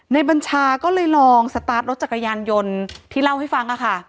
บัญชาก็เลยลองสตาร์ทรถจักรยานยนต์ที่เล่าให้ฟังค่ะ